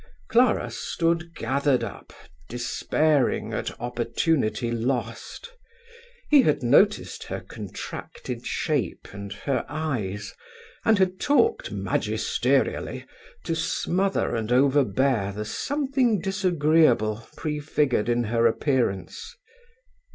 Clara stood gathered up, despairing at opportunity lost. He had noticed her contracted shape and her eyes, and had talked magisterially to smother and overbear the something disagreeable prefigured in her appearance.